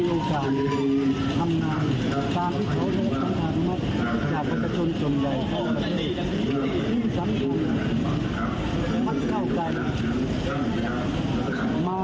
อยากให้เขาเนี่ยได้มีโอกาสทำน่ำ